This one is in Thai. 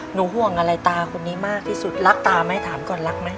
ห่วงอะไรตาคนนี้มากที่สุดรักตาไหมถามก่อนรักไหม